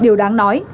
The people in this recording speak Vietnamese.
điều đáng nói